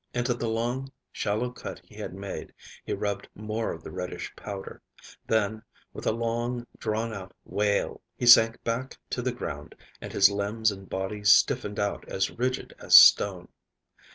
Into the long, shallow cut he had made he rubbed more of the reddish powder; then, with a long drawn out wail, he sank back to the ground and his limbs and body stiffened out as rigid as stone.